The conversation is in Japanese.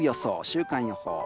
週間予報。